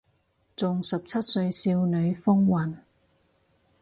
仲十七歲少女風韻